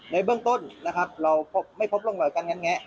ในเบื้องต้นเราไม่พบลงเรอยงั้นแงะ